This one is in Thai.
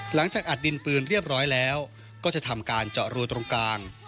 หลังจากอัดดินปืนเรียบร้อยแล้วก็จะทำการเจาะรูตรงกลาง